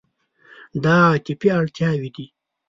دا عاطفي اړتیاوې دي.